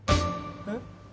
えっ？